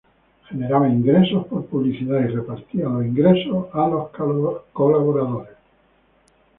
Generaba ingresos por publicidad y repartía los ingresos a los colaboradores.